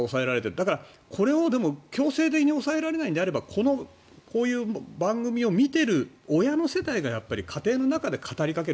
だからこれを強制的に抑えられないのであればこういう番組を見ている親の世代が家庭の中で語りかける。